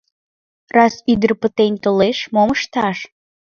Раз ӱдыр пытен толеш, мом ышташ?